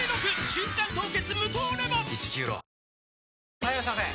・はいいらっしゃいませ！